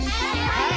はい！